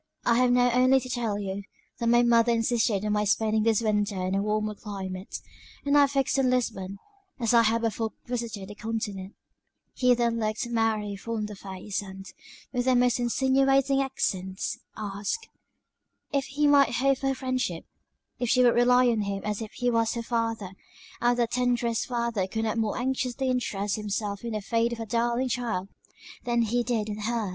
"I have now only to tell you, that my mother insisted on my spending this winter in a warmer climate; and I fixed on Lisbon, as I had before visited the Continent." He then looked Mary full in the face; and, with the most insinuating accents, asked "if he might hope for her friendship? If she would rely on him as if he was her father; and that the tenderest father could not more anxiously interest himself in the fate of a darling child, than he did in her's."